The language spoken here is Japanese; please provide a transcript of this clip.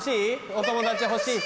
お友達欲しい？